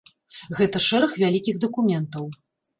Гэта шэраг вялікіх дакументаў.